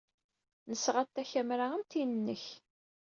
Nesɣa-d takamra am tin-nnek.